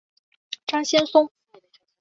张先松。